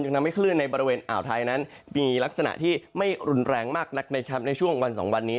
ทำให้คลื่นในบริเวณอ่าวไทยนั้นมีลักษณะที่ไม่รุนแรงมากนักนะครับในช่วงวันสองวันนี้